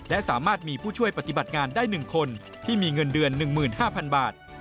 และสามารถมีผู้ช่วยปฏิบัติงานได้๑คนที่มีเงินเดือน๑๕๐๐๐บาท